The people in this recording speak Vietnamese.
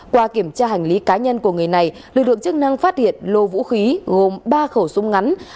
qua kiểm tra hành lý cá nhân của người này lực lượng chức năng phát hiện lô vũ khí gồm ba khẩu súng ngắn